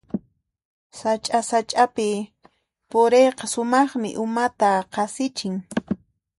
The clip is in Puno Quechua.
Sacha-sachapi puriyqa sumaqmi, umata qasichin.